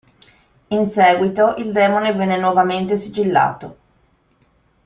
In seguito il demone venne nuovamente sigillato.